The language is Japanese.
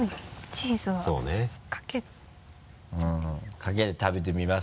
かけて食べてみます？